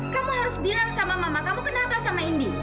kamu harus bilang sama mama kamu kenapa sama indi